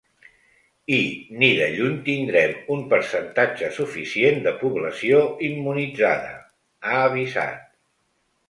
I ni de lluny tindrem un percentatge suficient de població immunitzada, ha avisat.